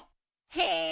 へえ。